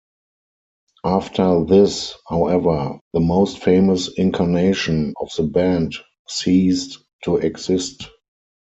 After this, however, the most famous incarnation of the band ceased to exist.